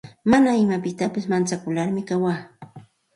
Mana imapitasi manchakularmi kawaa.